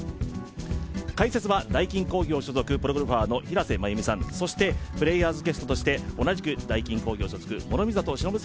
開設はダイキン工業所属、プロゴルファーの平瀬真由美さん、そしてプレイヤーズゲストとして同じくダイキン工業所属諸見里しのぶ